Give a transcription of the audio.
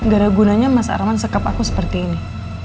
gara gunanya mas arman sekap aku seperti ini